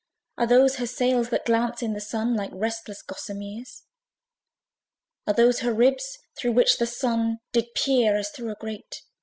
Are those her sails that glance in the Sun, Like restless gossameres! Are those her ribs through which the Sun Did peer, as through a grate?